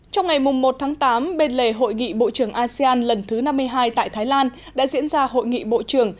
trong ngày một tháng tám bên lề hội nghị bộ trưởng asean lần thứ năm mươi hai tại thái lan đã diễn ra hội nghị bộ trưởng